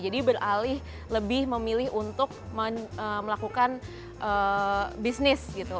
jadi beralih lebih memilih untuk melakukan bisnis gitu